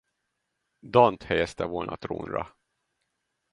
Dant helyezte volna trónra.